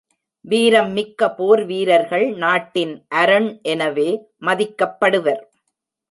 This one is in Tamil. வீரம் மிக்க போர்வீரர்கள் நாட்டின் அரண் எனவே மதிக்கப்படுவர்.